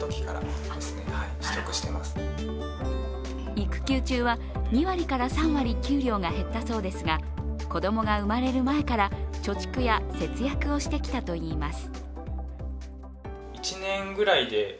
育休中は２割から３割、給料が減ったそうですが子供が生まれる前から貯蓄や節約をしてきたといいます。